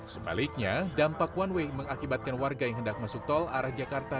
sebaliknya dampak one way mengakibatkan warga yang hendak masuk tol arah jakarta